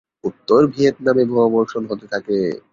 উত্তর ভিয়েতনামে বোমাবর্ষণ হতে থাকে।